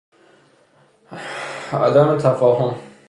عدم تفاهم